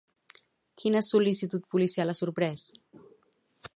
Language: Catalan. Quina sol·licitud policial ha sorprès?